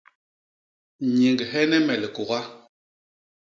Nyiñghene me likôga.